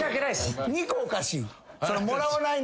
２個おかしい。